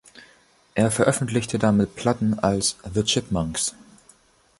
Er veröffentlichte damit Platten als The Chipmunks.